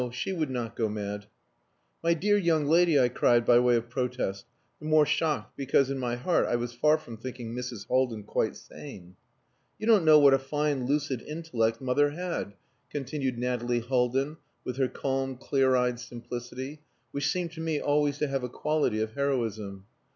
She would not go mad." "My dear young lady," I cried, by way of protest, the more shocked because in my heart I was far from thinking Mrs. Haldin quite sane. "You don't know what a fine, lucid intellect mother had," continued Nathalie Haldin, with her calm, clear eyed simplicity, which seemed to me always to have a quality of heroism.